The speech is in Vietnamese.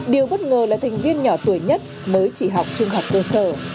điều bất ngờ là thành viên nhỏ tuổi nhất mới chỉ học trung học cơ sở